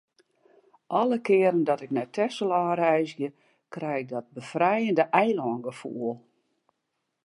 Alle kearen dat ik nei Texel ôfreizgje, krij ik dat befrijende eilângefoel.